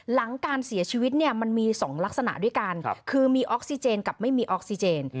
หลังการเสียชีวิตเนี่ยมันมี๒ลักษณะด้วยกันคือมีออกซิเจนกับไม่มีออกซิเจน